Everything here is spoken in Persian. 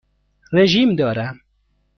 رژیم دارم.